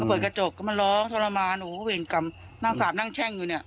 เปิดกระจกก็มันร้องทรมานโอ้โหเวรกรรมนั่งสาบนั่งแช่งอยู่เนี่ย